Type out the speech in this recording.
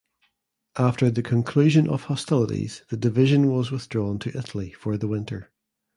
After the conclusion of hostilities the division was withdrawn to Italy for the winter.